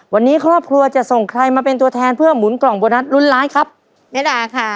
วันนี้ครอบครัวจะส่งใครมาเป็นตัวแทนเพื่อหมุนกล่องโบนัสลุ้นล้านครับแม่ดาค่ะ